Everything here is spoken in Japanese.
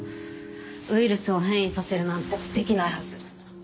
ウイルスを変異させるなんてできないはず。